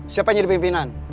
siapa yang jadi pimpinan